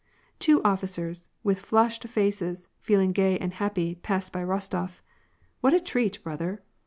Two officers, with flushed faces, feeling gay and happy, passed by Rostof. " What a treat, brother